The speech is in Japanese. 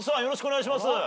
よろしくお願いします。